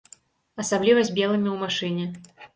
Асабліва з белымі ў машыне.